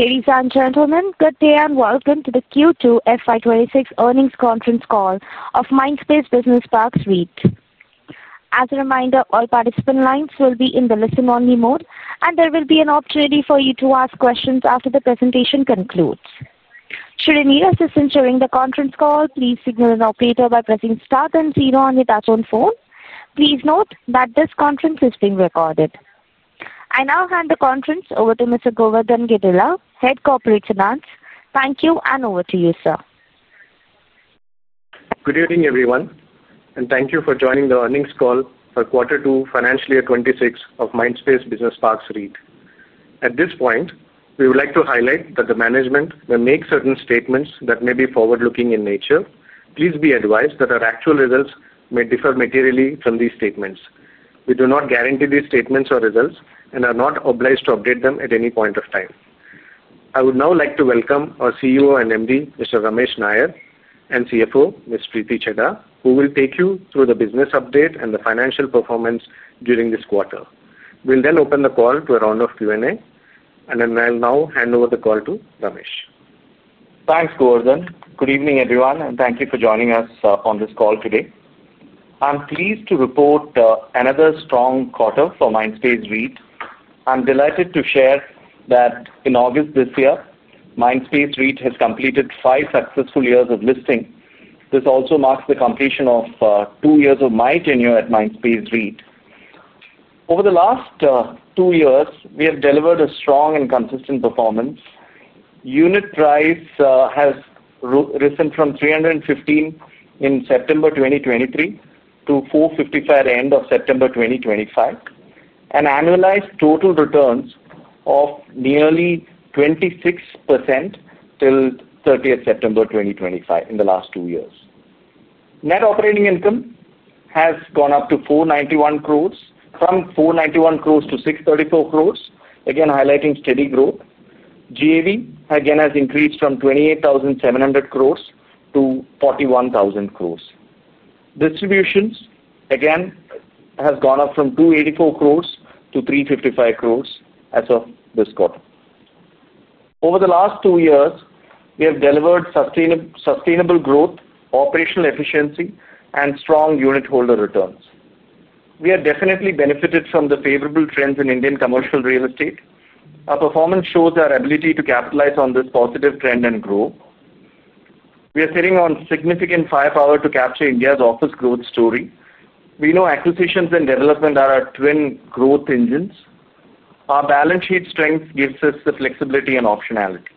Ladies and gentlemen, good day and welcome to the Q2 FY 2026 earnings conference call of Mindspace Business Parks REIT. As a reminder, all participant lines will be in the listen-only mode, and there will be an opportunity for you to ask questions after the presentation concludes. Should you need assistance during the conference call, please signal an operator by pressing Star then Zero on your touch-on phone. Please note that this conference is being recorded. I now hand the conference over to Mr. Govardhan Gedela, Head Corporate Finance. Thank you, and over to you, sir. Good evening, everyone, and thank you for joining the earnings call for Q2 FY 2026 of Mindspace Business Parks REIT. At this point, we would like to highlight that the management may make certain statements that may be forward-looking in nature. Please be advised that our actual results may differ materially from these statements. We do not guarantee these statements or results and are not obliged to update them at any point of time. I would now like to welcome our CEO and MD, Mr. Ramesh Nair, and CFO, Ms. Preeti Chheda, who will take you through the business update and the financial performance during this quarter. We'll then open the call to a round of Q&A, and I'll now hand over the call to Ramesh. Thanks, Govardhan. Good evening, everyone, and thank you for joining us on this call today. I'm pleased to report another strong quarter for Mindspace REIT. I'm delighted to share that in August this year, Mindspace REIT has completed five successful years of listing. This also marks the completion of two years of my tenure at Mindspace REIT. Over the last two years, we have delivered a strong and consistent performance. Unit price has risen from 315 in September 2023 to 455 at the end of September 2025, and annualized total returns of nearly 26% till 30th September 2025 in the last two years. Net operating income has gone up to 491 crore, from 491 crore to 634 crore, again highlighting steady growth. GAV again has increased from 28,700 crore to 41,000 crore. Distributions again have gone up from 284 crore to 355 crore as of this quarter. Over the last two years, we have delivered sustainable growth, operational efficiency, and strong unitholder returns. We have definitely benefited from the favorable trends in Indian commercial real estate. Our performance shows our ability to capitalize on this positive trend and grow. We are sitting on significant firepower to capture India's office growth story. We know acquisitions and development are our twin growth engines. Our balance sheet strength gives us the flexibility and optionality.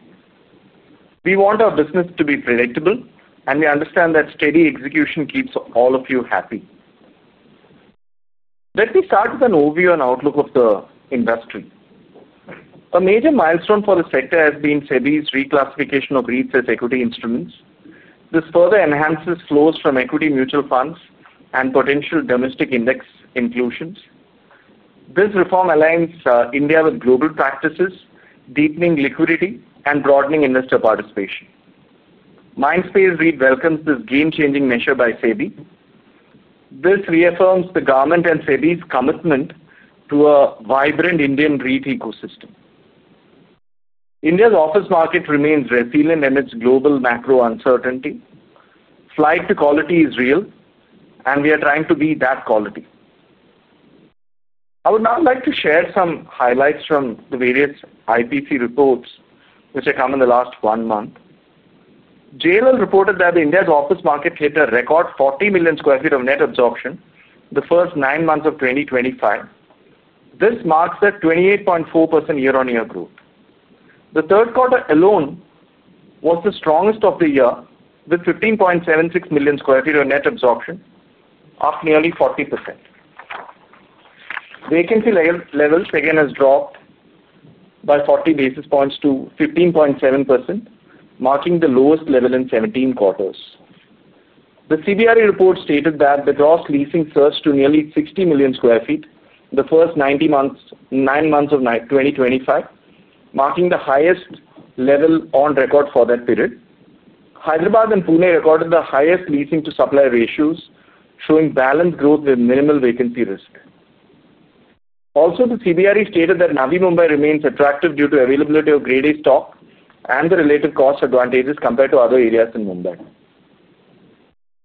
We want our business to be predictable, and we understand that steady execution keeps all of you happy. Let me start with an overview and outlook of the industry. A major milestone for the sector has been SEBI's reclassification of REITs as equity instruments. This further enhances flows from equity mutual funds and potential domestic index inclusions. This reform aligns India with global practices, deepening liquidity and broadening investor participation. Mindspace REIT welcomes this game-changing measure by SEBI. This reaffirms the government and SEBI's commitment to a vibrant Indian REIT ecosystem. India's office market remains resilient amidst global macro uncertainty. Flight to quality is real, and we are trying to be that quality. I would now like to share some highlights from the various IPC reports which have come in the last one month. JLL reported that India's office market hit a record 40 million sq ft of net absorption the first nine months of 2025. This marks a 28.4% year-on-year growth. The third quarter alone was the strongest of the year, with 15.76 million sq ft of net absorption, up nearly 40%. Vacancy levels again have dropped. By 40 basis points to 15.7%, marking the lowest level in 17 quarters. The CBRE report stated that the gross leasing surged to nearly 60 million sq ft in the first nine months of 2023, marking the highest level on record for that period. Hyderabad and Pune recorded the highest leasing-to-supply ratios, showing balanced growth with minimal vacancy risk. Also, CBRE stated that Navi Mumbai remains attractive due to the availability of Grade A stock and the relative cost advantages compared to other areas in Mumbai.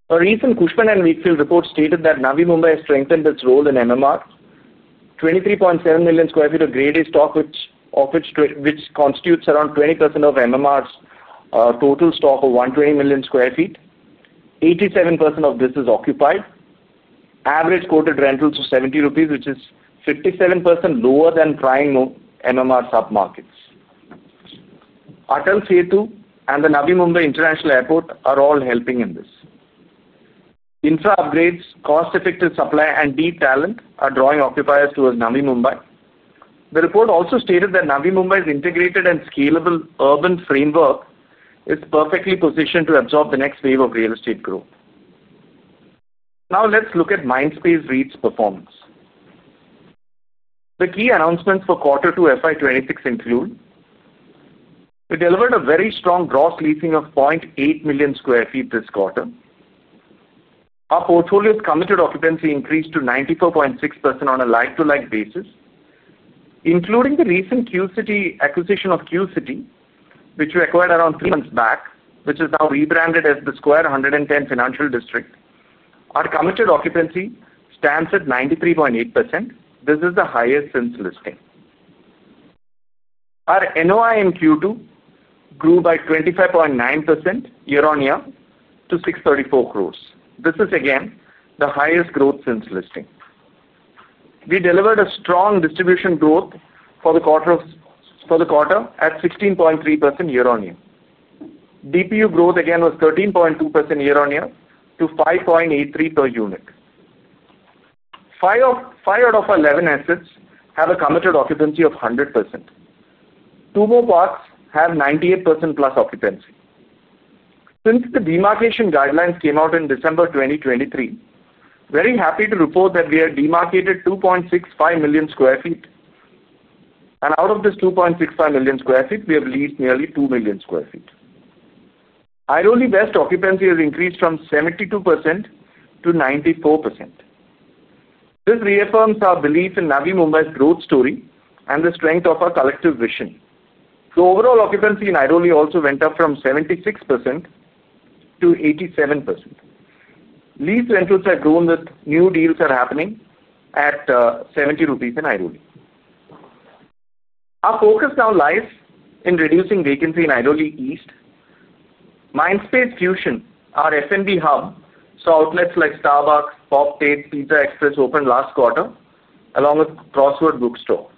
A recent Cushman & Wakefield report stated that Navi Mumbai has strengthened its role in MMR. There are 23.7 million sq ft of Grade A stock, which constitutes around 20% of MMR's total stock of 120 million sq ft. 87% of this is occupied. Average quoted rentals are 70 rupees, which is 57% lower than prior MMR submarkets. Atal Setu and the Navi Mumbai International Airport are all helping in this. Infrastructure upgrades, cost-effective supply, and deep talent are drawing occupiers towards Navi Mumbai. The report also stated that Navi Mumbai's integrated and scalable urban framework is perfectly positioned to absorb the next wave of real estate growth. Now let's look at Mindspace REIT's performance. The key announcements for Q2 FY 2026 include. We delivered a very strong gross leasing of 0.8 million sq ft this quarter. Our portfolio's committed occupancy increased to 94.6% on a like-to-like basis. Including the recent acquisition of Q-CITY, which we acquired around three months back, which is now rebranded as The Square 110 Financial District, our committed occupancy stands at 93.8%. This is the highest since listing. Our NOI in Q2 grew by 25.9% year-on-year to 634 crore. This is again the highest growth since listing. We delivered a strong distribution growth for the quarter at 16.3% year-on-year. DPU growth again was 13.2% year-on-year to 5.83 per unit. Five out of 11 assets have a committed occupancy of 100%. Two more parks have 98% plus occupancy. Since the demarcation guidelines came out in December 2023, I'm very happy to report that we have demarcated 2.65 million sq ft. And out of this 2.65 million sq ft, we have leased nearly 2 million sq ft. Navi Mumbai's best occupancy has increased from 72% to 94%. This reaffirms our belief in Navi Mumbai's growth story and the strength of our collective vision. The overall occupancy in Navi Mumbai also went up from 76% to 87%. Leased rentals have grown with new deals happening at 70 rupees in Navi Mumbai. Our focus now lies in reducing vacancy in Navi Mumbai East. Mindspace Fusion, our F&B hub, saw outlets like Starbucks, Pop Tate's, and Pizza Express open last quarter, along with Crossword Bookstore.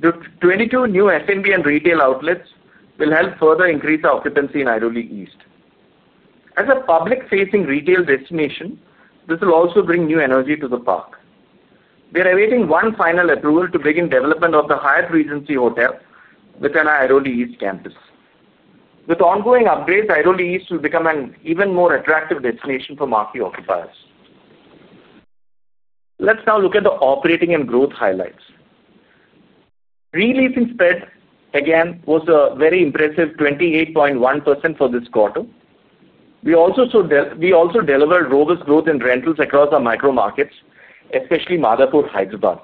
The 22 new F&B and retail outlets will help further increase our occupancy in Navi Mumbai East. As a public-facing retail destination, this will also bring new energy to the park. We are awaiting one final approval to begin development of the Hyatt Regency Hotel within Navi Mumbai East campus. With ongoing upgrades, Navi Mumbai East will become an even more attractive destination for marquee occupiers. Let's now look at the operating and growth highlights. Re-leasing spread again was very impressive, 28.1% for this quarter. We also delivered robust growth in rentals across our micro markets, especially Madhapur and Hyderabad.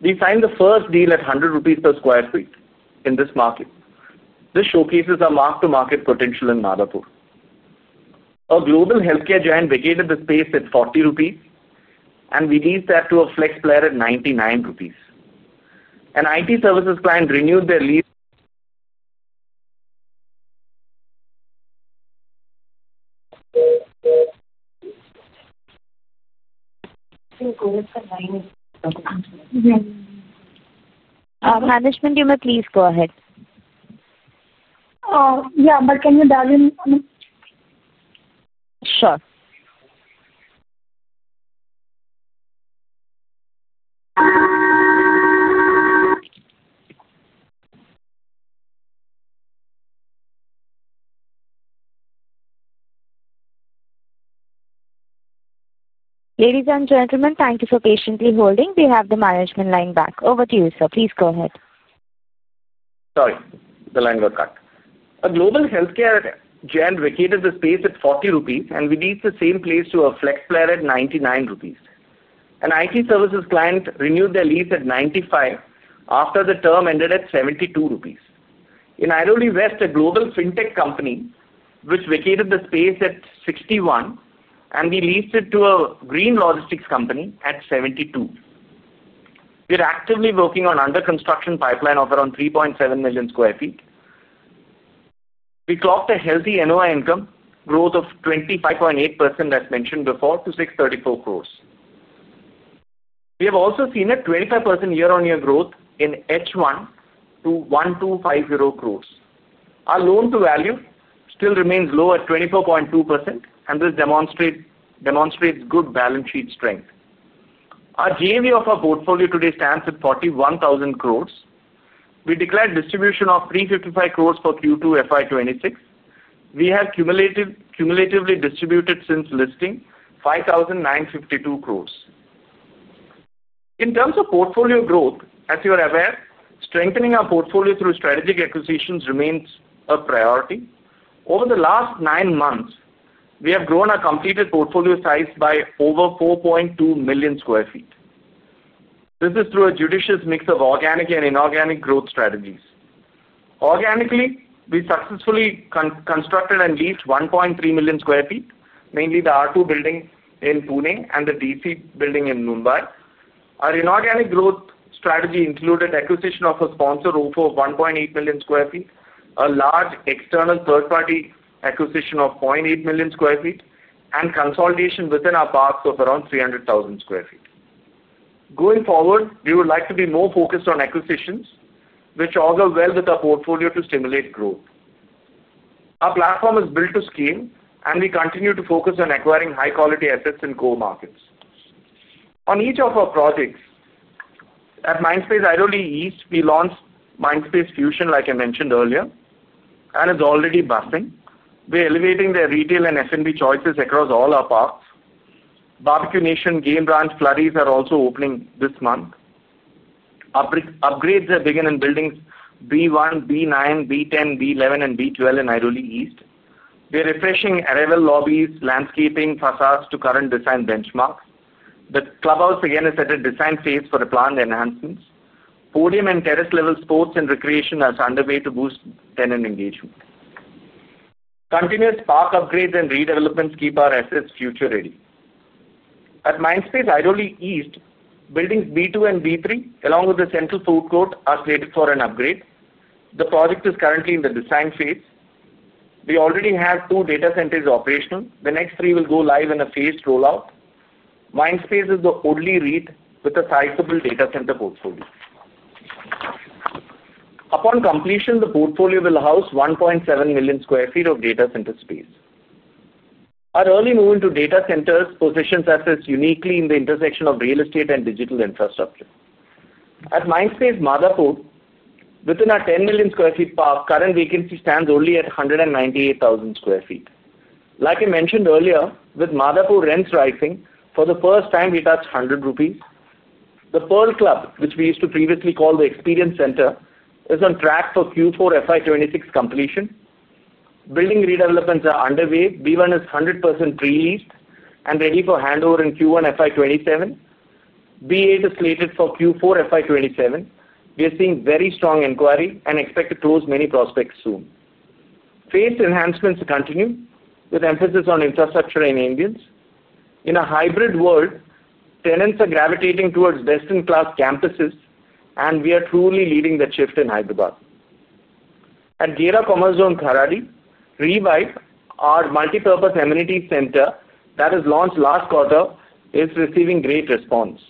We signed the first deal at 100 rupees per sq ft in this market. This showcases our mark-to-market potential in Madhapur. Our global healthcare giant vacated the space at 40 rupees. And we leased that to a flex player at 99 rupees. An IT services client renewed their lease. Management, you may please go ahead. Yeah, but can you dial in? Sure. Ladies and gentlemen, thank you for patiently holding. We have the management line back. Over to you, sir. Please go ahead. Sorry, the line got cut. A global healthcare giant vacated the space at 40 rupees, and we leased the same place to a flex player at 99 rupees. An IT services client renewed their lease at 95 after the term ended at 72 rupees. In Navi Mumbai West, a global fintech company vacated the space at 61, and we leased it to a green logistics company at 72. We are actively working on an under-construction pipeline of around 3.7 million sq ft. We clocked a healthy NOI income growth of 25.8%, as mentioned before, to 634 crore. We have also seen a 25% year-on-year growth in H1 to 1,250 crore. Our loan-to-value still remains low at 24.2%, and this demonstrates good balance sheet strength. Our GAV of our portfolio today stands at 41,000 crore. We declared distribution of 355 crore for Q2 FY 2026. We have cumulatively distributed since listing 5,952 crore. In terms of portfolio growth, as you are aware, strengthening our portfolio through strategic acquisitions remains a priority. Over the last nine months, we have grown our completed portfolio size by over 4.2 million sq ft. This is through a judicious mix of organic and inorganic growth strategies. Organically, we successfully constructed and leased 1.3 million sq ft, mainly the R2 building in Pune and th`e DC building in Mumbai. Our inorganic growth strategy included acquisition of a sponsored OFO of 1.8 million sq ft, a large external third-party acquisition of 0.8 million sq ft, and consolidation within our parks of around 300,000 sq ft. Going forward, we would like to be more focused on acquisitions, which augur well with our portfolio to stimulate growth. Our platform is built to scale, and we continue to focus on acquiring high-quality assets in core markets. On each of our projects. At Mindspace Airoli East, we launched Mindspace Fusion, like I mentioned earlier, and it's already buzzing. We're elevating the retail and F&B choices across all our parks. Barbeque Nation, Game Ranch, and Flurys are also opening this month. Upgrades are beginning in buildings B1, B9, B10, B11, and B12 in Airoli East. We're refreshing arrival lobbies, landscaping, and façades to current design benchmarks. The clubhouse again is at a design phase for planned enhancements. Podium and terrace-level sports and recreation are underway to boost tenant engagement. Continuous park upgrades and redevelopments keep our assets future-ready. At Mindspace Airoli East, buildings B2 and B3, along with the central food court, are slated for an upgrade. The project is currently in the design phase. We already have two data centers operational. The next three will go live in a phased rollout. Mindspace is the only REIT with a sizable data center portfolio. Upon completion, the portfolio will house 1.7 million sq ft of data center space. Our early move into data centers positions us uniquely in the intersection of real estate and digital infrastructure. At Mindspace Madhapur, within our 10 million sq ft park, current vacancy stands only at 198,000 sq ft. Like I mentioned earlier, with Madhapur rents rising, for the first time, we touched 100 rupees. The Pearl Club, which we used to previously call the Experience Center, is on track for Q4 FY 2026 completion. Building redevelopments are underway. B1 is 100% pre-leased and ready for handover in Q1 FY 2027. B8 is slated for Q4 FY 2027. We are seeing very strong inquiry and expect to close many prospects soon. Phased enhancements continue with emphasis on infrastructure and ambience. In a hybrid world, tenants are gravitating towards best-in-class campuses, and we are truly leading the shift in Hyderabad. At Gera Commerce Zone Kharadi, REVIVE, our multipurpose amenities center that was launched last quarter, is receiving great response.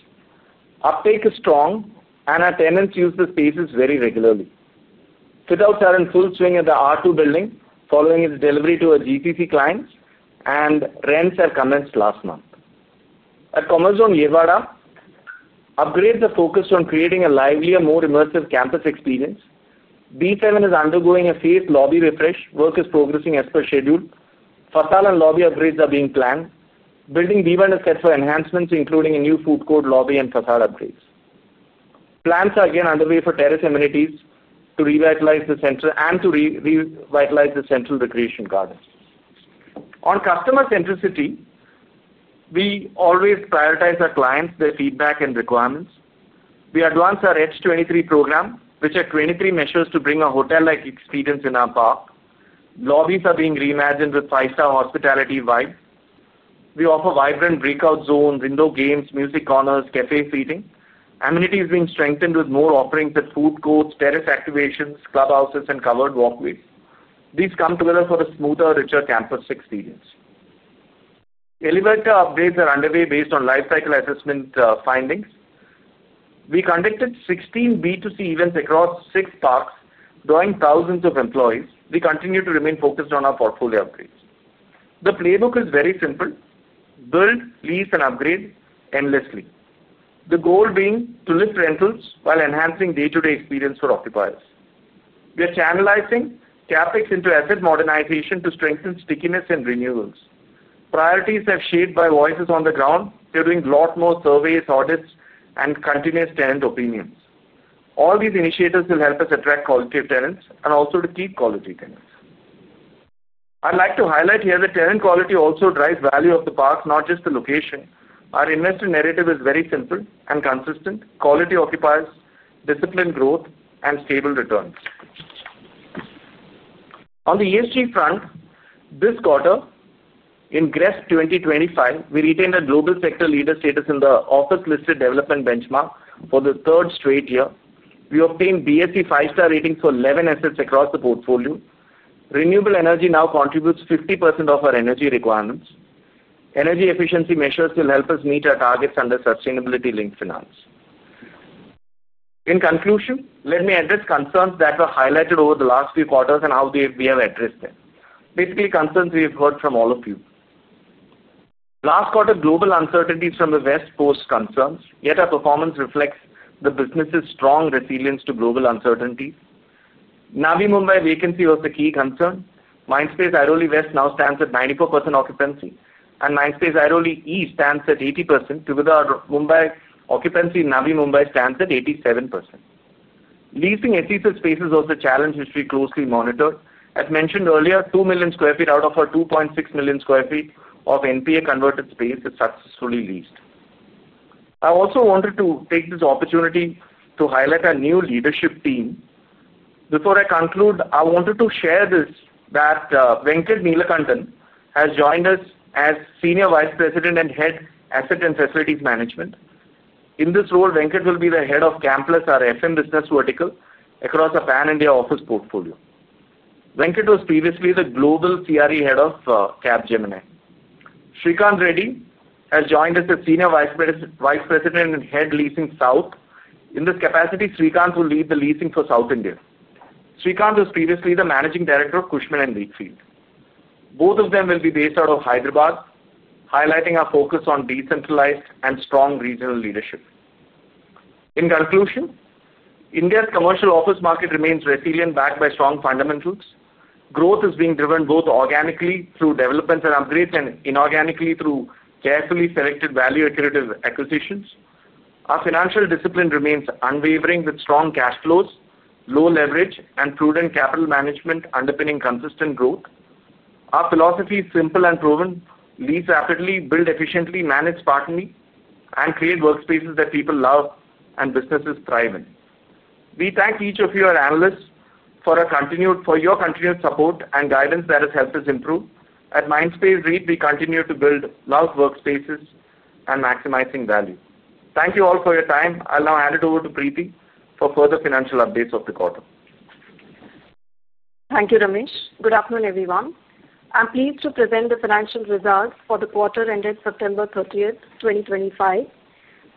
Uptake is strong, and our tenants use the spaces very regularly. Fit-outs are in full swing at the R2 building following its delivery to a GCC client, and rents commenced last month. At Commerce Zone Yerawada, upgrades are focused on creating a livelier, more immersive campus experience. B7 is undergoing a phased lobby refresh. Work is progressing as per schedule. Façade and lobby upgrades are being planned. Building B1 is set for enhancements, including a new food court lobby and façade upgrades. Plans are again underway for terrace amenities to revitalize the center and to revitalize the central recreation garden. On customer centricity, we always prioritize our clients, their feedback, and requirements. We advance our H23 program, which has 23 measures to bring a hotel-like experience in our park. Lobbies are being reimagined with five-star hospitality vibes. We offer vibrant breakout zones, indoor games, music corners, and café seating. Amenities are being strengthened with more offerings at food courts, terrace activations, clubhouses, and covered walkways. These come together for a smoother, richer campus experience. Elevator upgrades are underway based on life cycle assessment findings. We conducted 16 B2C events across six parks, drawing thousands of employees. We continue to remain focused on our portfolio upgrades. The playbook is very simple: build, lease, and upgrade endlessly. The goal being to lift rentals while enhancing day-to-day experience for occupiers. We are channelizing CapEx into asset modernization to strengthen stickiness and renewals. Priorities are shaped by voices on the ground. We are doing a lot more surveys, audits, and continuous tenant opinions. All these initiatives will help us attract quality of tenants and also to keep quality tenants. I'd like to highlight here that tenant quality also drives value of the parks, not just the location. Our investor narrative is very simple and consistent: quality occupiers, disciplined growth, and stable returns. On the ESG front, this quarter. In GRESB 2025, we retained our global sector leader status in the office-listed development benchmark for the third straight year. We obtained BSE five-star ratings for 11 assets across the portfolio. Renewable energy now contributes 50% of our energy requirements. Energy efficiency measures will help us meet our targets under sustainability-linked finance. In conclusion, let me address concerns that were highlighted over the last few quarters and how we have addressed them. Basically, concerns we have heard from all of you. Last quarter, global uncertainties from the West posed concerns, yet our performance reflects the business's strong resilience to global uncertainties. Navi Mumbai vacancy was a key concern. Mindspace Airoli West now stands at 94% occupancy, and Mindspace Airoli East stands at 80%. Together, our Mumbai occupancy in Navi Mumbai stands at 87%. Leasing SEZ spaces was a challenge which we closely monitored. As mentioned earlier, 2 million sq ft out of our 2.6 million sq ft of NPA converted space is successfully leased. I also wanted to take this opportunity to highlight our new leadership team. Before I conclude, I wanted to share this. Venkat Neelakandan has joined us as Senior Vice President and Head Asset and Facilities Management. In this role, Venkat will be the head of Camplus, our FM business vertical, across our pan India office portfolio. Venkat was previously the Global CRE Head of Capgemini. Shrikant Reddy has joined us as Senior Vice President and Head Leasing South. In this capacity, Shrikant will lead the leasing for South India. Shrikant was previously the Managing Director of Cushman & Wakefield. Both of them will be based out of Hyderabad, highlighting our focus on decentralized and strong regional leadership. In conclusion, India's commercial office market remains resilient, backed by strong fundamentals. Growth is being driven both organically through developments and upgrades and inorganically through carefully selected value-accurate acquisitions. Our financial discipline remains unwavering, with strong cash flows, low leverage, and prudent capital management underpinning consistent growth. Our philosophy is simple and proven: lease rapidly, build efficiently, manage spartanly, and create workspaces that people love and businesses thrive in. We thank each of you, our analysts, for your continued support and guidance that has helped us improve. At Mindspace REIT, we continue to build, love workspaces, and maximize value. Thank you all for your time. I'll now hand it over to Preeti for further financial updates of the quarter. Thank you, Ramesh. Good afternoon, everyone. I'm pleased to present the financial results for the quarter ended September 30, 2025.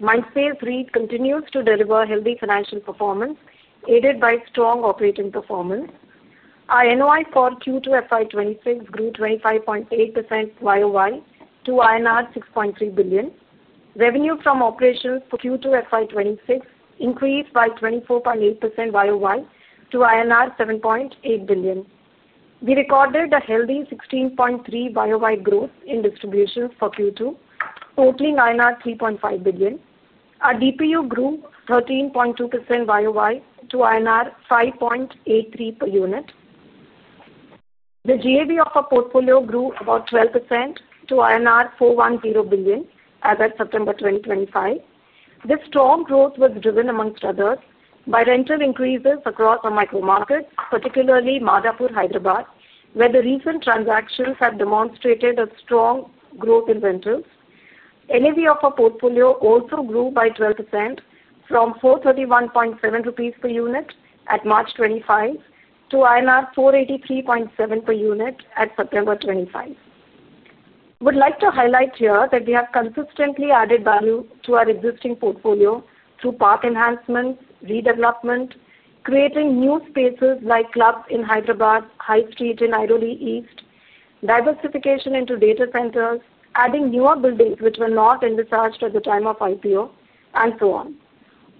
Mindspace REIT continues to deliver healthy financial performance, aided by strong operating performance. Our NOI for Q2 FY 2026 grew 25.8% YOY to INR 6.3 billion. Revenue from operations for Q2 FY 2026 increased by 24.8% YOY to INR 7.8 billion. We recorded a healthy 16.3% YOY growth in distributions for Q2, totaling INR 3.5 billion. Our DPU grew 13.2% YOY to INR 5.83 per unit. The GAV of our portfolio grew about 12% to INR 410 billion as of September 2025. This strong growth was driven, amongst others, by rental increases across our micro markets, particularly Madhapur, Hyderabad, where the recent transactions have demonstrated a strong growth in rentals. NAV of our portfolio also grew by 12% from 431.7 rupees per unit at March 2025 to INR 483.7 per unit at September 2025. I would like to highlight here that we have consistently added value to our existing portfolio through park enhancements, redevelopment, creating new spaces like clubs in Hyderabad, High Street in Airoli East, diversification into data centers, adding newer buildings which were not in the search at the time of IPO, and so on.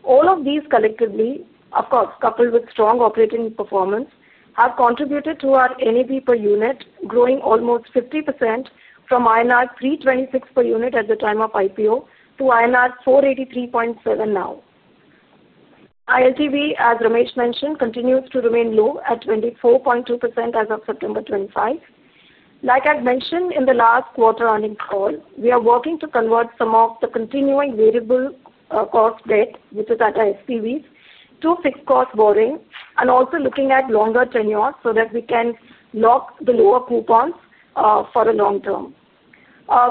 All of these collectively, of course, coupled with strong operating performance, have contributed to our NAV per unit growing almost 50% from INR 326 per unit at the time of IPO to INR 483.7 now. Our LTV, as Ramesh mentioned, continues to remain low at 24.2% as of September 2025. Like I've mentioned in the last quarter earnings call, we are working to convert some of the continuing variable cost debt, which is at our SPVs, to fixed cost borrowing and also looking at longer tenure so that we can lock the lower coupons for the long term.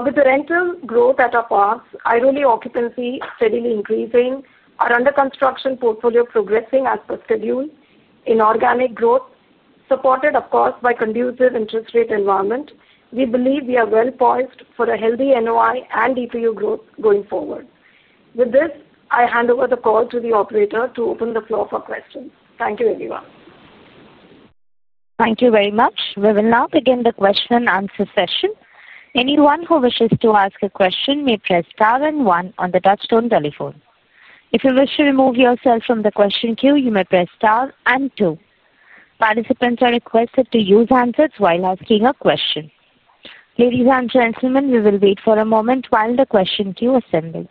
With the rental growth at our parks, IROB occupancy steadily increasing, our under-construction portfolio progressing as per schedule, inorganic growth supported, of course, by a conducive interest rate environment, we believe we are well poised for a healthy NOI and DPU growth going forward. With this, I hand over the call to the operator to open the floor for questions. Thank you, everyone. Thank you very much. We will now begin the question-and-answer session. Anyone who wishes to ask a question may press star and one on the touchstone telephone. If you wish to remove yourself from the question queue, you may press star and two. Participants are requested to use handsets while asking a question. Ladies and gentlemen, we will wait for a moment while the question queue assembles.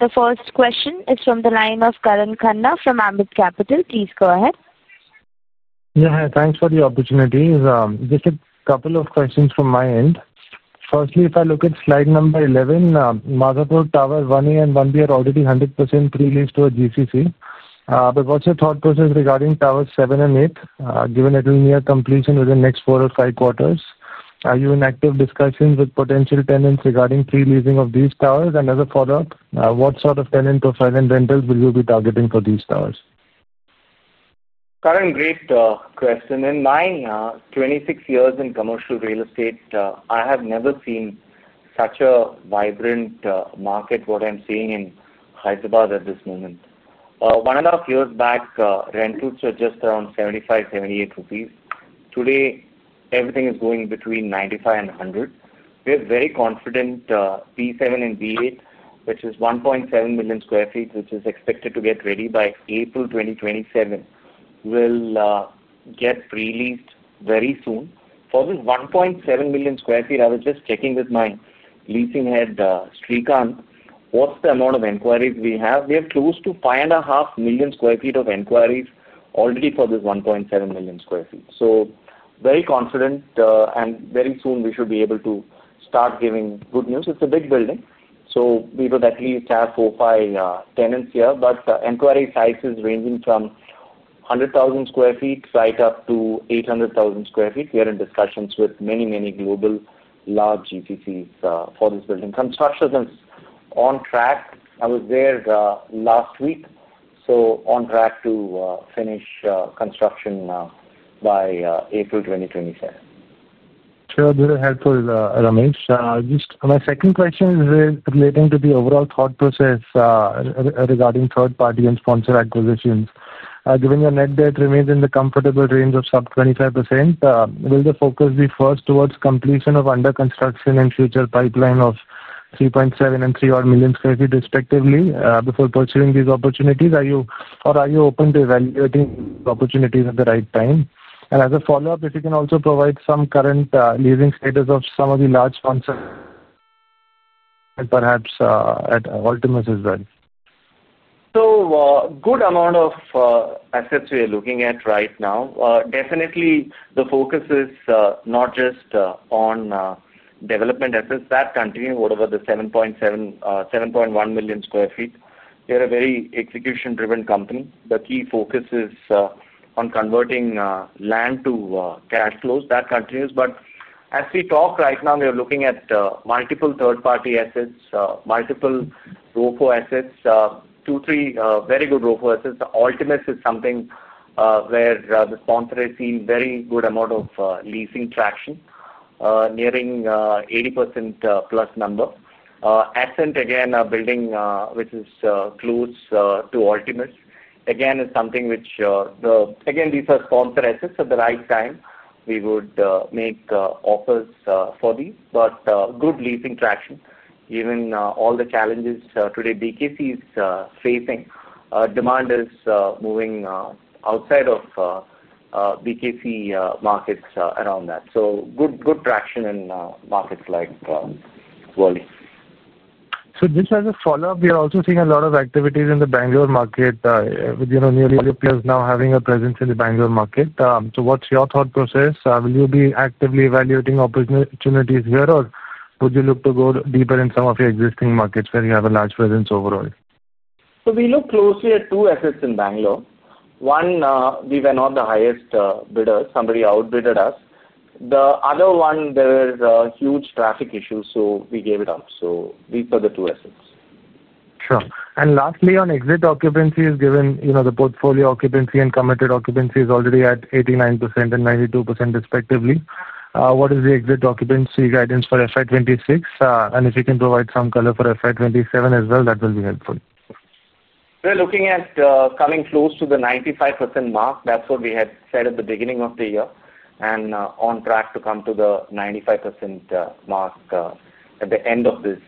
The first question is from the line of Karan Khanna from Ambit Capital. Please go ahead. Yeah, thanks for the opportunity. Just a couple of questions from my end. Firstly, if I look at slide number 11, Madhapur Tower 1A and 1B are already 100% pre-leased to a GCC. What's your thought process regarding Towers 7 and 8, given that we're near completion within the next four or five quarters? Are you in active discussions with potential tenants regarding pre-leasing of these towers? As a follow-up, what sort of tenant profile and rentals will you be targeting for these towers? Karan, great question. In my 26 years in commercial real estate, I have never seen such a vibrant market as what I'm seeing in Hyderabad at this moment. One and a half years back, rentals were just around 75, 78 rupees. Today, everything is going between 95-100. We have very confident P7 and B8, which is 1.7 million sq ft, which is expected to get ready by April 2027. Will get pre-leased very soon. For this 1.7 million sq ft, I was just checking with my leasing head, Shrikant, what's the amount of inquiries we have? We have close to 5.5 million sq ft of inquiries already for this 1.7 million sq ft. Very confident, and very soon we should be able to start giving good news. It's a big building, so we would at least have four or five tenants here. The inquiry size is ranging from 100,000 sq ft right up to 800,000 sq ft. We are in discussions with many, many global large GCCs for this building. Construction is on track. I was there last week, so on track to finish construction by April 2027. Sure, this is helpful, Ramesh. Just my second question is relating to the overall thought process. Regarding third-party and sponsor acquisitions. Given your net debt remains in the comfortable range of sub 25%, will the focus be first towards completion of under-construction and future pipeline of 3.7 and 3.0 million sq ft, respectively, before pursuing these opportunities? Are you open to evaluating the opportunities at the right time? As a follow-up, if you can also provide some current leasing status of some of the large sponsors. Perhaps at Altimus as well. A good amount of assets we are looking at right now. Definitely, the focus is not just on development assets. That continues over the 7.71 million sq ft. We are a very execution-driven company. The key focus is on converting land to cash flows. That continues. As we talk right now, we are looking at multiple third-party assets, multiple ROPO assets, two, three very good ROPO assets. Altimus is something where the sponsor has seen a very good amount of leasing traction, nearing 80% plus number. Ascent, again, a building which is close to Altimus, again, is something which, again, these are sponsor assets. At the right time, we would make offers for these. Good leasing traction, given all the challenges today BKC is facing. Demand is moving outside of BKC markets around that. Good traction in markets like World. Just as a follow-up, we are also seeing a lot of activities in the Bangalore market. With newly apprentices now having a presence in the Bangalore market, what's your thought process? Will you be actively evaluating opportunities here, or would you look to go deeper in some of your existing markets where you have a large presence overall? We look closely at two assets in Bangalore. One, we were not the highest bidders. Somebody outbid us. The other one, there were huge traffic issues, so we gave it up. These are the two assets. Sure. Lastly, on exit occupancy, given the portfolio occupancy and committed occupancy is already at 89% and 92%, respectively, what is the exit occupancy guidance for FY 2026? If you can provide some color for FY 2027 as well, that will be helpful. We're looking at coming close to the 95% mark. That's what we had said at the beginning of the year. We're on track to come to the 95% mark at the end of this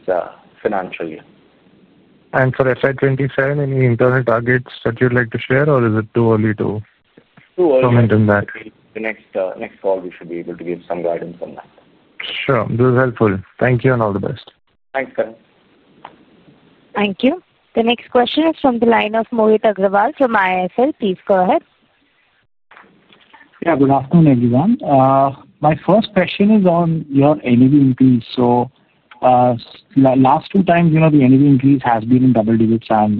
financial year. For FY 2027, any internal targets that you'd like to share, or is it too early to comment on that? Too early. The next call, we should be able to give some guidance on that. Sure. This is helpful. Thank you and all the best. Thanks, Karan. Thank you. The next question is from the line of Mohit Agrawal from IIFL. Please go ahead. Yeah, good afternoon, everyone. My first question is on your NAV increase. Last two times, the NAV increase has been in double digits. If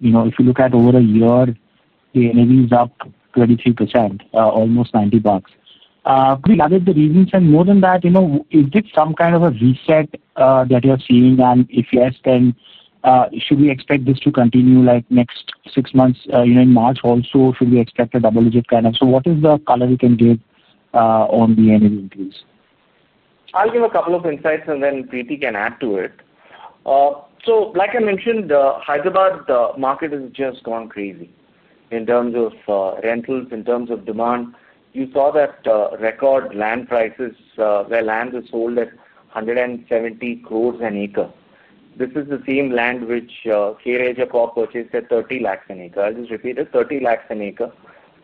you look at over a year, the NAV is up 23%, almost INR 90. Could you elaborate the reasons? More than that, is this some kind of a reset that you're seeing? If yes, then should we expect this to continue next six months? In March also, should we expect a double digit kind of? What is the color you can give on the NAV increase? I'll give a couple of insights, and then Preeti can add to it. Like I mentioned, Hyderabad, the market has just gone crazy in terms of rentals, in terms of demand. You saw that record land prices where land is sold at 1.7 billion an acre. This is the same land which K. Raheja purchased at 3 lakh an acre. I'll just repeat it. 3 million an acre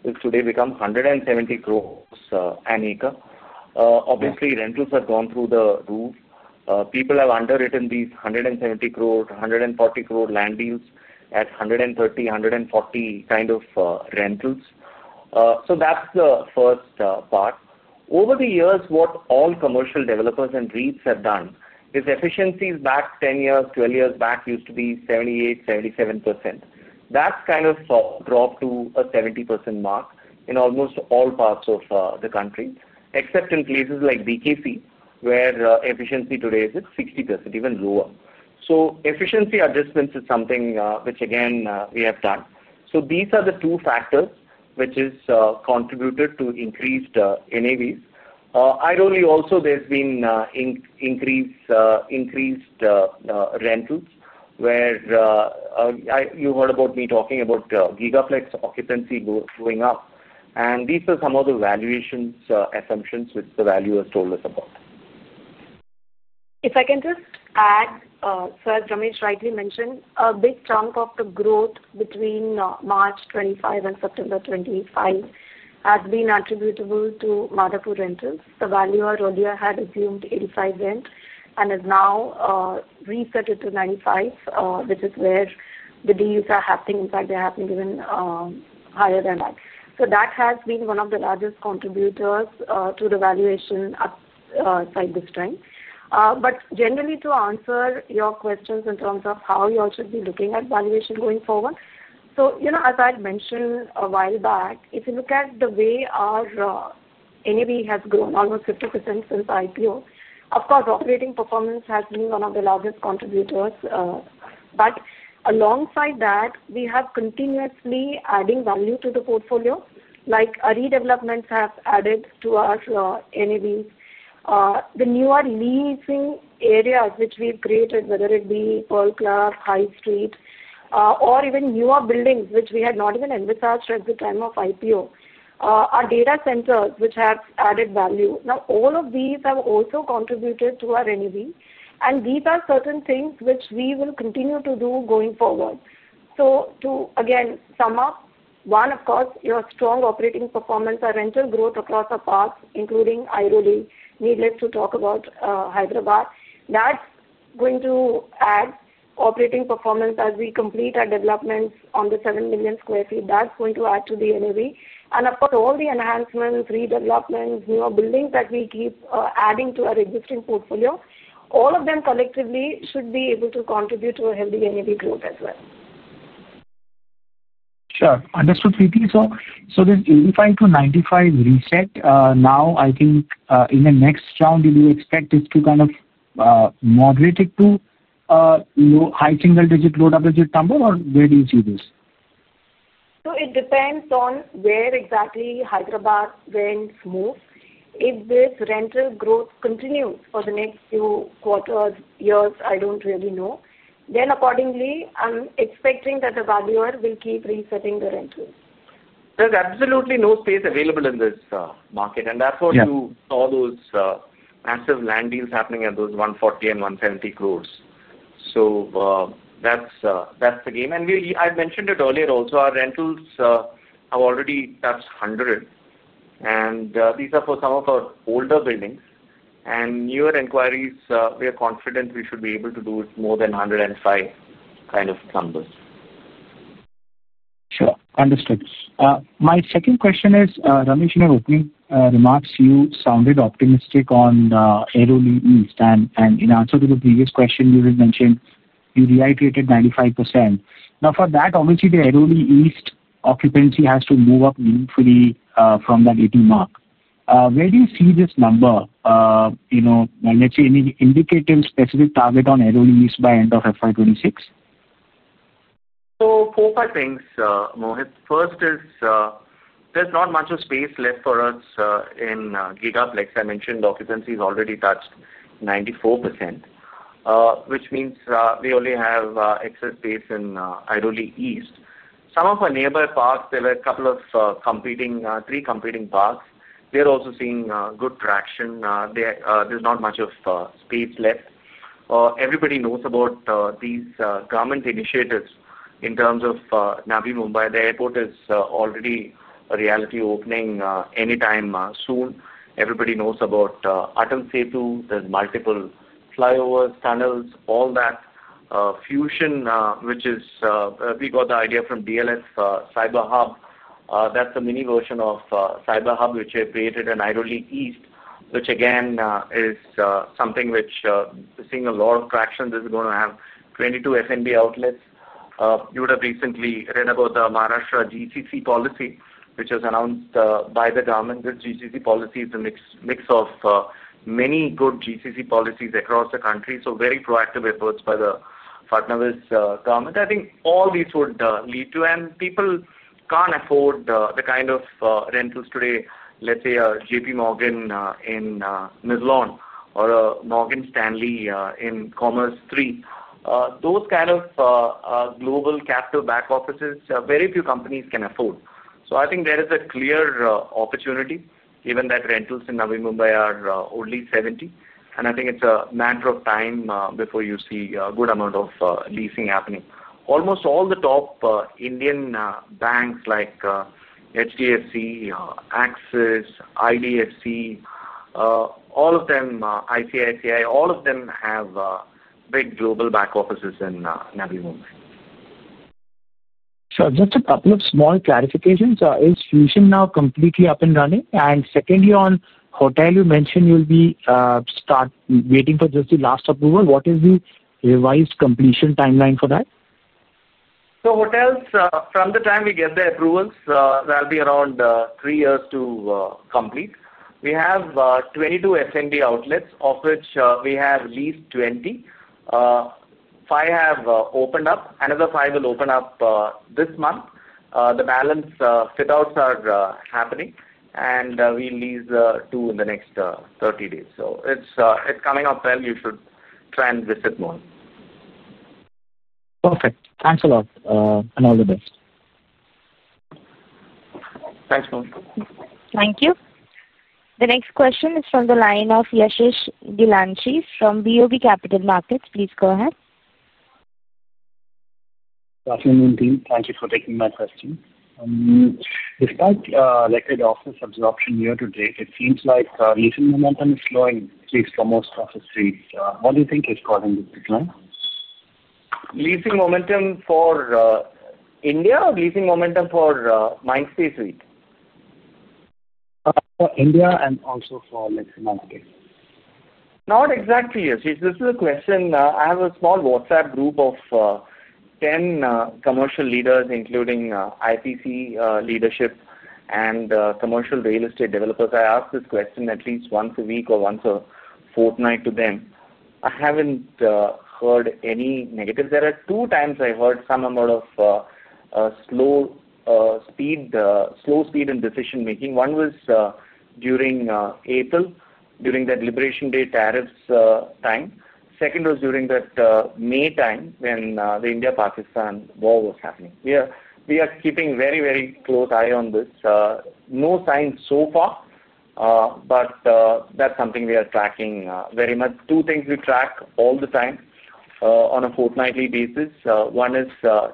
has today become 171 lakh billion an acre. Obviously, rentals have gone through the roof. People have underwritten these 170 crores, 140 crores land deals at 130-140 kind of rentals. That's the first part. Over the years, what all commercial developers and REITs have done is efficiencies back 10 years, 12 years back used to be 78%, 77%. That's kind of dropped to a 70% mark in almost all parts of the country, except in places like BKC, where efficiency today is at 60%, even lower. Efficiency adjustments is something which, again, we have done. These are the two factors which have contributed to increased NAVs. Ironically, also, there's been increased rentals where you heard about me talking about Gigaplex occupancy going up. These are some of the valuation assumptions which the valuers told us about. If I can just add, as Ramesh rightly mentioned, a big chunk of the growth between March 2025 and September 2025 has been attributable to Madhapur rentals. The valuer earlier had assumed 85 rent and has now reset it to 95, which is where the deals are happening. In fact, they are happening even higher than that. That has been one of the largest contributors to the valuation at this time. Generally, to answer your questions in terms of how you all should be looking at valuation going forward, as I had mentioned a while back, if you look at the way our NAV has grown, almost 50% since IPO, of course, operating performance has been one of the largest contributors. Alongside that, we have continuously added value to the portfolio. Like REIT developments have added to our NAVs. The newer leasing areas which we've created, whether it be Pearl Club, High Street, or even newer buildings which we had not even advertised at the time of IPO, our data centers which have added value. Now, all of these have also contributed to our NAV. These are certain things which we will continue to do going forward. To, again, sum up, one, of course, your strong operating performance, our rental growth across our parks, including Airoli, needless to talk about Hyderabad, that's going to add operating performance as we complete our developments on the 7 million sq ft. That's going to add to the NAV. Of course, all the enhancements, redevelopments, newer buildings that we keep adding to our existing portfolio, all of them collectively should be able to contribute to a healthy NAV growth as well. Sure. Understood, Preeti. This 85%-95% reset, now, I think in the next round, did you expect it to kind of moderate it to high single-digit, low double-digit number, or where do you see this? It depends on where exactly Hyderabad winds move. If this rental growth continues for the next few quarters, years, I don't really know. Then, accordingly, I'm expecting that the valuer will keep resetting the rentals. is absolutely no space available in this market. That is why you saw those massive land deals happening at 140 crore and 170 crore. That is the game. I mentioned it earlier also, our rentals have already touched 100. These are for some of our older buildings. Newer inquiries, we are confident we should be able to do more than 105 kind of numbers. Sure. Understood. My second question is, Ramesh, in your opening remarks, you sounded optimistic on IROB East. In answer to the previous question, you had mentioned you reiterated 95%. Now, for that, obviously, the IROB East occupancy has to move up meaningfully from that 80% mark. Where do you see this number? Let's say an indicative specific target on IROB East by end of FY 2026? Four, five things, Mohit. First is, there's not much space left for us in Gigaplex. I mentioned occupancy has already touched 94%, which means we only have excess space in Airoli East. Some of our neighbor parks, there were a couple of, three competing parks, we are also seeing good traction. There's not much space left. Everybody knows about these government initiatives in terms of Navi Mumbai. The airport is already a reality, opening anytime soon. Everybody knows about Atal Setu. There's multiple flyovers, tunnels, all that. Fusion, which is, we got the idea from DLF Cyber Hub. That's a mini version of Cyber Hub, which we have created in Airoli East, which again is something which is seeing a lot of traction. This is going to have 22 F&B outlets. You would have recently read about the Maharashtra GCC policy, which was announced by the government. This GCC policy is a mix of many good GCC policies across the country. Very proactive efforts by the Fadnavis government. I think all these would lead to, and people can't afford the kind of rentals today. Let's say a JPMorgan in Millan or a Morgan Stanley in Commercial 3. Those kinds of global capital back offices, very few companies can afford. I think there is a clear opportunity, given that rentals in Navi Mumbai are only 70. I think it's a matter of time before you see a good amount of leasing happening. Almost all the top Indian banks like HDFC, Axis, IDFC, all of them, ICICI, all of them have big global back offices in Navi Mumbai. Sure. Just a couple of small clarifications. Is Fusion now completely up and running? Secondly, on hotel, you mentioned you'll be waiting for just the last approval. What is the revised completion timeline for that? Hotels, from the time we get the approvals, that'll be around three years to complete. We have 22 F&B outlets, of which we have leased 20. Five have opened up. Another five will open up this month. The balance fit-outs are happening. We lease two in the next 30 days. It is coming up well. You should try and visit more. Perfect. Thanks a lot. All the best. Thanks, Mohit. Thank you. The next question is from the line of Yashas Gilganchi from BOB Capital Markets. Please go ahead. Good afternoon, team. Thank you for taking my question. Despite record office absorption year to date, it seems like leasing momentum is slowing, at least for most of the streets. What do you think is causing this decline? Leasing momentum for India, or leasing momentum for Mindspace REIT? For India and also for Mindspace. Not exactly, Yashas. This is a question I have a small WhatsApp group of 10 commercial leaders, including IPC leadership and commercial real estate developers. I ask this question at least once a week or once a fortnight to them. I have not heard any negative. There are two times I heard some amount of slow speed in decision-making. One was during April, during that Liberation Day tariffs time. Second was during that May time when the India-Pakistan war was happening. We are keeping a very, very close eye on this. No signs so far, but that is something we are tracking very much. Two things we track all the time on a fortnightly basis. One is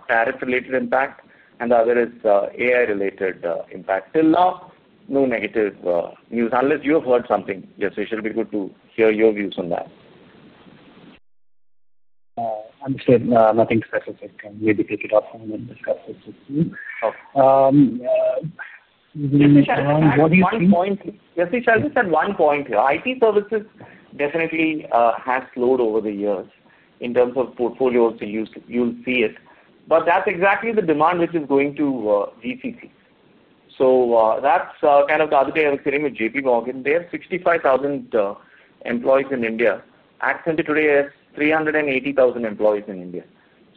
tariff-related impact, and the other is AI-related impact. Till now, no negative news. Unless you have heard something, Yashas, it will be good to hear your views on that. Understood. Nothing specific. Maybe take it offline and discuss it with you. Yashas, I understand. Yashas, I'll just add one point. IT services definitely have slowed over the years in terms of portfolios. You'll see it. That's exactly the demand which is going to GCC. The other day I was sitting with JPMorgan. They have 65,000 employees in India. Accenture today has 380,000 employees in India.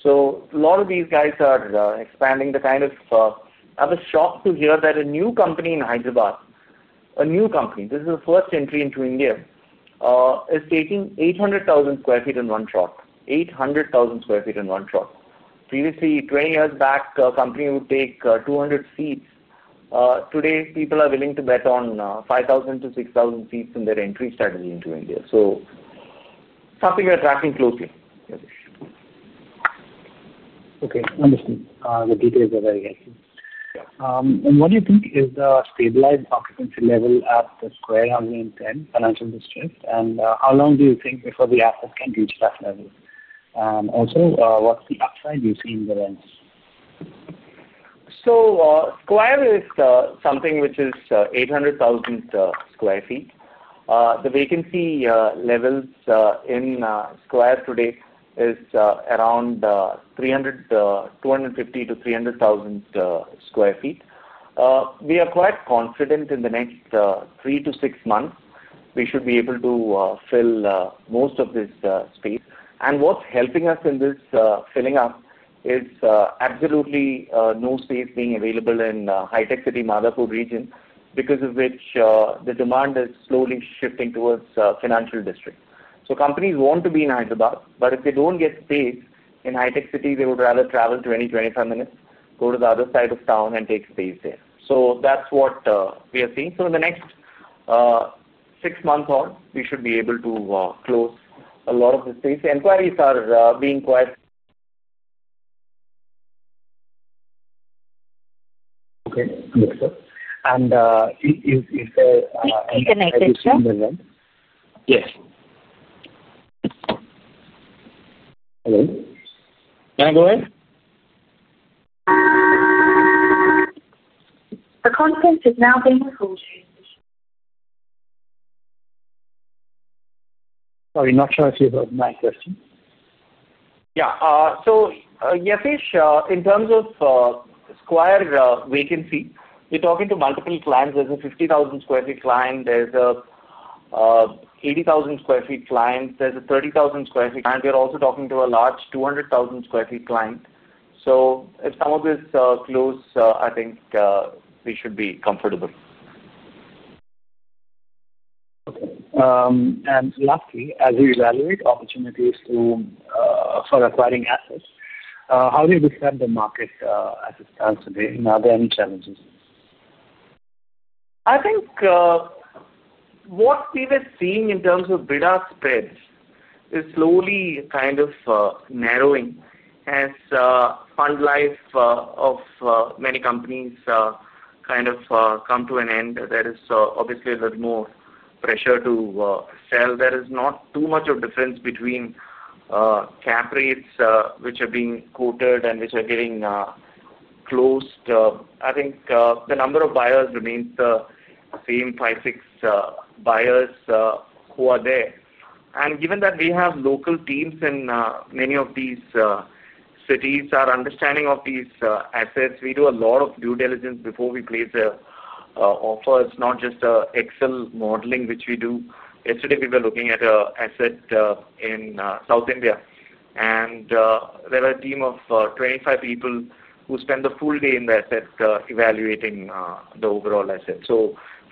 A lot of these guys are expanding. I was shocked to hear that a new company in Hyderabad, a new company, this is the first entry into India, is taking 800,000 sq ft in one shot. 800,000 sq ft in one shot. Previously, 20 years back, a company would take 200 seats. Today, people are willing to bet on 5,000-6,000 seats in their entry strategy into India. That's something we are tracking closely, Yashas. Okay. Understood. The details are very helpful. What do you think is the stabilized occupancy level at The Square 110 Financial District? How long do you think before the assets can reach that level? Also, what's the upside you see in the rents? Square is something which is 800,000 sq ft. The vacancy levels in Square today is around 250,000 sq ft-300,000 sq ft. We are quite confident in the next three to six months, we should be able to fill most of this space. What's helping us in this filling up is absolutely no space being available in the high street city Madhapur region, because of which the demand is slowly shifting towards financial districts. Companies want to be in Hyderabad, but if they do not get space in high street city, they would rather travel 20-25 minutes, go to the other side of town, and take space there. That's what we are seeing. In the next six months on, we should be able to close a lot of the space. Enquiries are being quite. Okay. Understood. Is there. Is he connected to us? Yes. Hello. Can I go ahead? The conference is now being recorded. Sorry, not sure if you heard my question. Yeah. Yashas, in terms of Square vacancy, we're talking to multiple clients. There's a 50,000 sq ft client. There's a 80,000 sq ft client. There's a 30,000 sq ft client. We're also talking to a large 200,000 sq ft client. If some of this close, I think we should be comfortable. Okay. Lastly, as we evaluate opportunities for acquiring assets, how do you describe the market as it stands today? Are there any challenges? I think what we were seeing in terms of bidder spreads is slowly kind of narrowing as fund life of many companies kind of come to an end. There is obviously a little more pressure to sell. There is not too much of a difference between cap rates which are being quoted and which are getting closed. I think the number of buyers remains the same: five, six buyers who are there. Given that we have local teams in many of these cities that are understanding of these assets, we do a lot of due diligence before we place an offer. It is not just an Excel modeling which we do. Yesterday, we were looking at an asset in South India, and there were a team of 25 people who spent the full day in the asset evaluating the overall asset.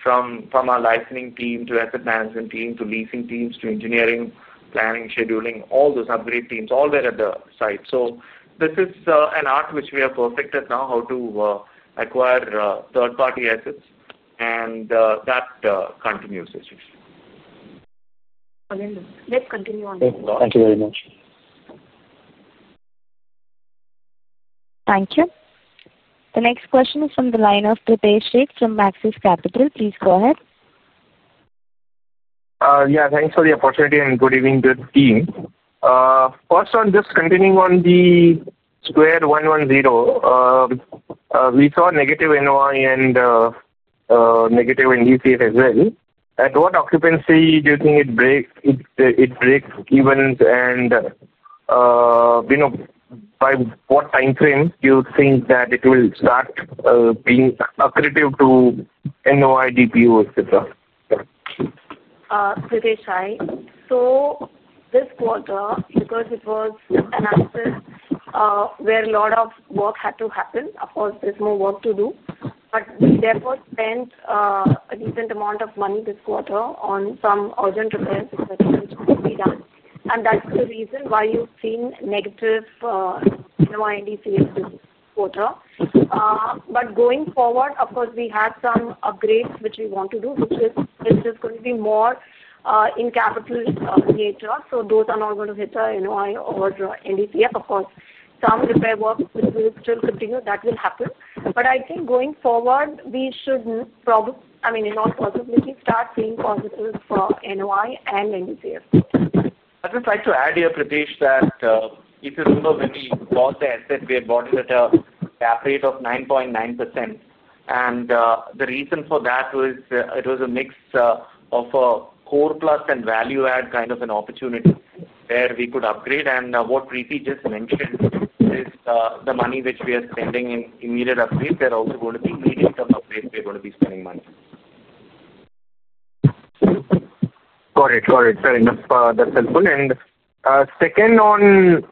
From our licensing team to asset management team to leasing teams to engineering, planning, scheduling, all those upgrade teams, all were at the site. This is an art which we are perfect at now, how to acquire third-party assets. That continues, Yashas. Let's continue on. Thank you very much. Thank you. The next question is from the line of Pritesh Sheth from Axis Capital. Please go ahead. Yeah. Thanks for the opportunity and good evening, good team. First, on just continuing on the Square 110. We saw negative NOI and negative NDCF as well. At what occupancy do you think it breaks, it breaks even, and by what time frame do you think that it will start being accretive to NOI, DPU, etc.? Pritesh, hi. This quarter, because it was an asset where a lot of work had to happen, of course, there is more work to do. We therefore spent a decent amount of money this quarter on some urgent repairs which were needed to be done. That is the reason why you have seen negative NOI and NDCF this quarter. Going forward, we have some upgrades which we want to do, which is just going to be more in capital theater. Those are not going to hit NOI or NDCF. Of course, some repair work will still continue, that will happen. I think going forward, we should, I mean, in all possibilities, start seeing positives for NOI and NDCF. I just like to add here, Pritesh, that if you remember when we bought the asset, we had bought it at a cap rate of 9.9%. The reason for that was it was a mix of a core plus and value-add kind of an opportunity where we could upgrade. What Preeti just mentioned is the money which we are spending in immediate upgrades, they're also going to be immediate upgrades, we're going to be spending money. Got it. Got it. Fair enough. That's helpful. Second, on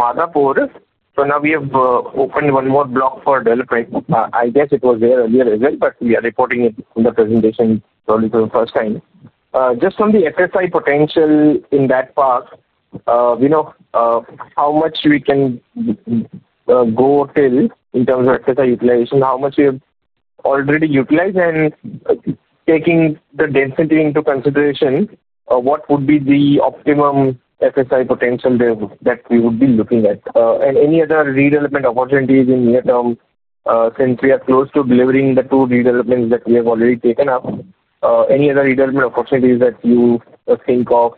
Madhapur, now we have opened one more block for development. I guess it was there earlier as well, but we are reporting it in the presentation probably for the first time. Just on the FSI potential in that part, how much we can go till in terms of FSI utilization, how much we have already utilized, and taking the density into consideration, what would be the optimum FSI potential that we would be looking at? Any other redevelopment opportunities in the near term since we are close to delivering the two redevelopments that we have already taken up? Any other redevelopment opportunities that you think of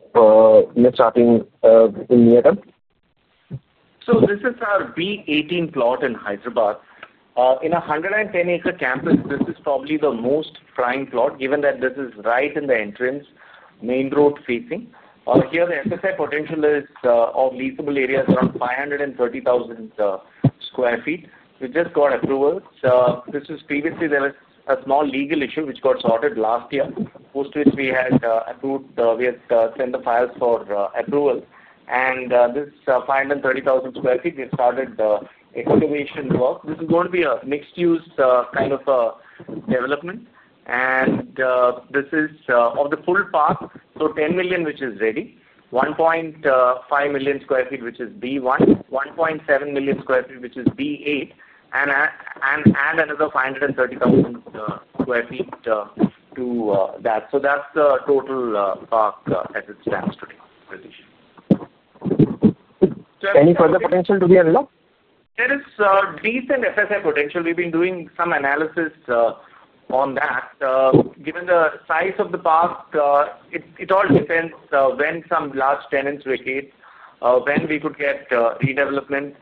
starting in the near term? This is our B18 plot in Hyderabad. In a 110-acre campus, this is probably the most prime plot, given that this is right in the entrance, main road facing. Here, the FSI potential is of leasable areas around 530,000 sq ft. We just got approval. Previously, there was a small legal issue which got sorted last year, post which we had approval. We had sent the files for approval. This 530,000 sq ft, we have started excavation work. This is going to be a mixed-use kind of development. This is of the full park, so 10 million which is ready, 1.5 million sq ft which is B1, 1.7 million sq ft which is B8, and another 530,000 sq ft to that. That is the total park as it stands today, Pritesh. Any further potential to be unlocked? There is decent FSI potential. We've been doing some analysis on that. Given the size of the park, it all depends when some large tenants vacate, when we could get redevelopment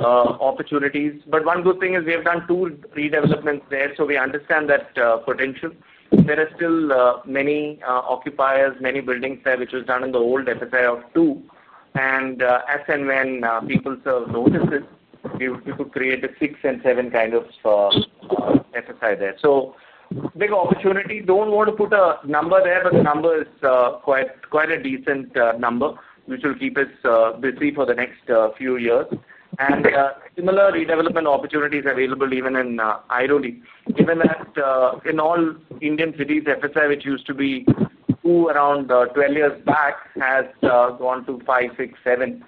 opportunities. One good thing is we have done two redevelopments there, so we understand that potential. There are still many occupiers, many buildings there, which was done in the old FSI of 2. As and when people serve notices, we could create a 6 and 7 kind of FSI there. Big opportunity. I do not want to put a number there, but the number is quite a decent number, which will keep us busy for the next few years. Similar redevelopment opportunities are available even in Airoli. Given that in all Indian cities, FSI, which used to be 2 around 12 years back, has gone to 5-6-7.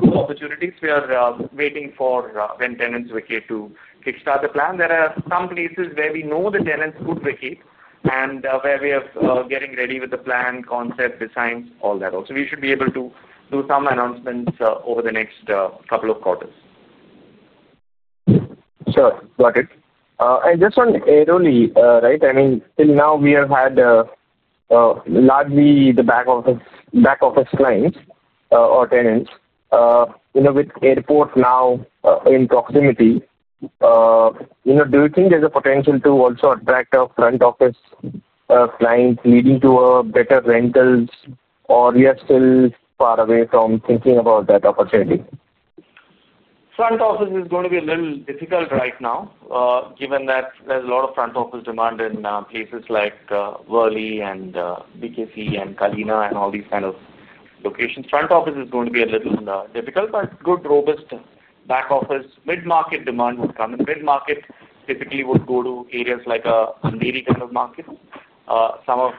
Two opportunities we are waiting for when tenants vacate to kickstart the plan. There are some places where we know the tenants could vacate and where we are getting ready with the plan, concept, designs, all that. We should be able to do some announcements over the next couple of quarters. Sure. Got it. Just on Airoli, right? I mean, till now, we have had largely the back office clients or tenants. With airport now in proximity, do you think there is a potential to also attract front office clients leading to better rentals, or are we still far away from thinking about that opportunity? Front office is going to be a little difficult right now, given that there's a lot of front office demand in places like BKC and Kalina and all these kind of locations. Front office is going to be a little difficult, but good, robust back office. Mid-market demand would come. And mid-market typically would go to areas like a Nandini kind of market. Some of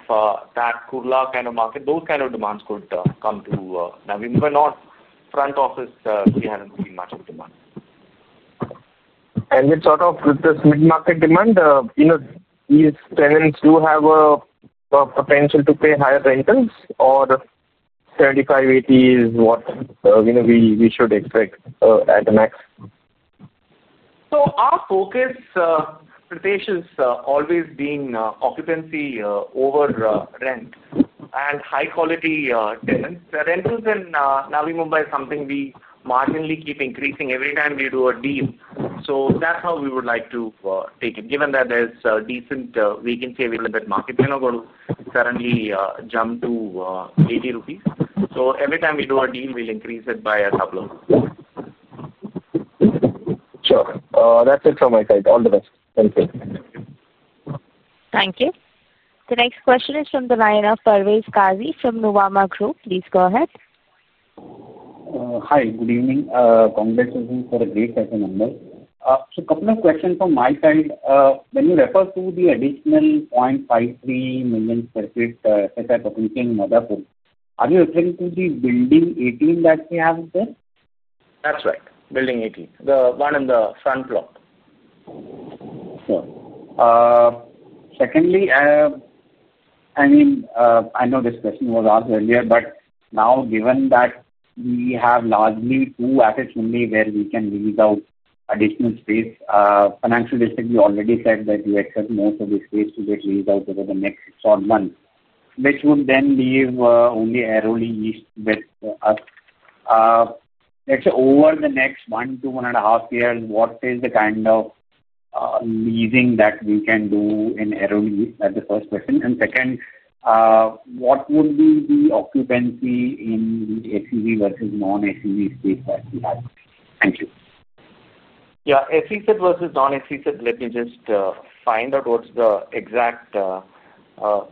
that Kurla kind of market, those kind of demands could come to Nandini. But not front office, we haven't seen much of demand. With sort of with this mid-market demand, these tenants do have a potential to pay higher rentals, or 75-80 is what we should expect at the max? Our focus, Pritesh, is always being occupancy over rent and high-quality tenants. Rentals in Navi Mumbai is something we marginally keep increasing every time we do a deal. That is how we would like to take it, given that there is decent vacancy available in that market. We are not going to suddenly jump to 80 rupees. Every time we do a deal, we will increase it by a couple of rupees. Sure. That's it from my side. All the best. Thank you. Thank you. The next question is from the line of Parvez Qazi from Nuvama Group. Please go ahead. Hi. Good evening. Congratulations for a great session, Anmol. A couple of questions from my side. When you refer to the additional 0.53 million sq ft FSI potential in Madhapur, are you referring to the building 18 that we have there? That's right. Building 18. The one in the front block. Sure. Secondly, I mean, I know this question was asked earlier, but now given that we have largely two assets only where we can lease out additional space, Financial District has already said that we expect most of the space to get leased out over the next six or so months, which would then leave only Airoli East with us. Over the next one, one and a half years, what is the kind of leasing that we can do in Airoli East? That's the first question. Second, what would be the occupancy in the ACC versus non-ACC space that we have? Thank you. Yeah, ACC versus non-ACC, let me just find out what's the exact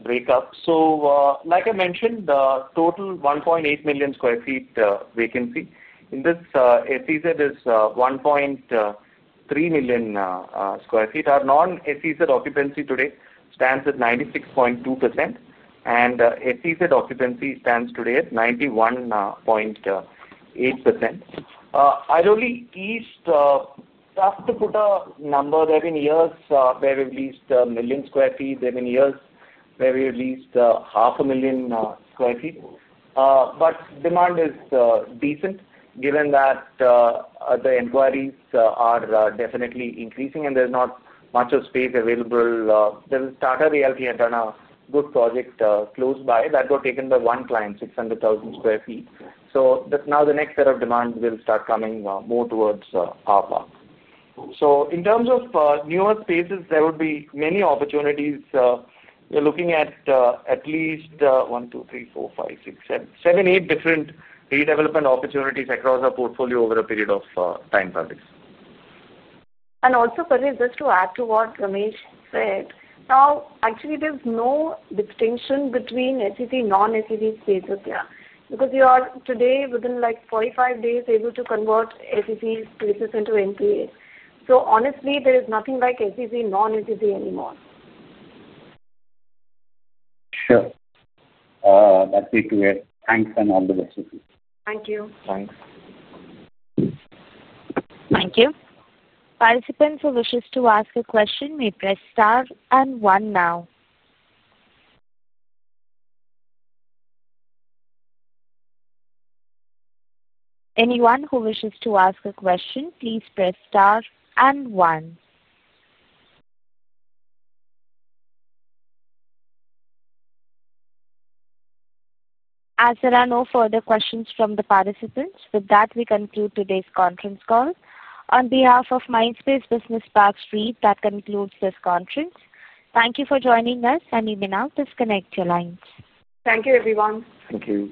breakup. So like I mentioned, the total 1.8 million sq ft vacancy in this ACC is 1.3 million sq ft. Our non-ACC occupancy today stands at 96.2%, and ACC occupancy stands today at 91.8%. Irony East. Tough to put a number. There have been years where we've leased 1 million sq ft. There have been years where we've leased 500,000 sq ft. Demand is decent, given that. The inquiries are definitely increasing, and there's not much of space available. There was Tata Realty had done a good project close by that got taken by one client, 600,000 sq ft. Now the next set of demands will start coming more towards our part. In terms of newer spaces, there would be many opportunities. We're looking at at least one, two, three, four, five, six, seven, eight different redevelopment opportunities across our portfolio over a period of time, Parvez. Parvez, just to add to what Ramesh said, now, actually, there is no distinction between ACC, non-ACC spaces here, because you are today, within like 45 days, able to convert ACC spaces into NPAs. Honestly, there is nothing like ACC, non-ACC anymore. Sure. That's it. Thanks and all the best. Thank you. Thanks. Thank you. Participants who wish to ask a question may press star and one now. Anyone who wishes to ask a question, please press star and one. As there are no further questions from the participants, with that, we conclude today's conference call. On behalf of Mindspace Business Parks REIT, that concludes this conference. Thank you for joining us, and you may now disconnect your lines. Thank you, everyone. Thank you.